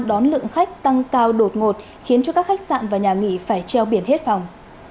đón lượng khách tăng cao đột ngột khiến cho các khách sạn và nhà nghỉ phải treo biển hết phòng